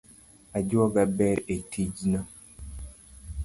Ajuoga ber etijno